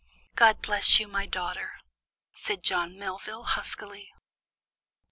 "God bless you, my daughter!" said John Melvin, huskily.